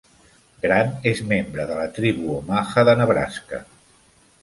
Grant és membre de la tribu Omaha de Nebraska.